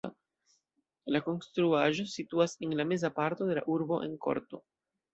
La konstruaĵo situas en la meza parto de la urbo en korto.